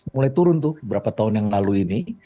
mulai turun tuh beberapa tahun yang lalu ini